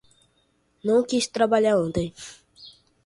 Não quis trabalhar ontem.